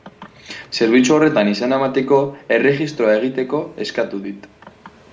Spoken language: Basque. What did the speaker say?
Zerbitzu horretan izena emateko, erregistroa egiteko, eskatu dit.